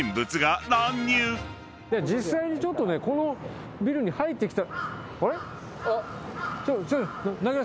実際にちょっとねこのビルに入っていきたい。